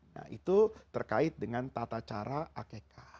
nah itu terkait dengan tata cara akekah